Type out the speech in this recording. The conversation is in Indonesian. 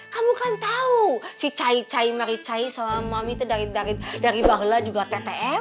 kamu kan tau si cai cai maricai sama mami tuh dari barla juga ttm